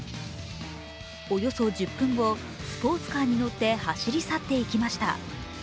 およそ１０分後、スポーツカーに乗って走り去っていきました。